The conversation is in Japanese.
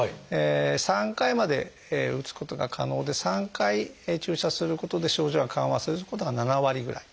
３回まで打つことが可能で３回注射することで症状が緩和することが７割ぐらい。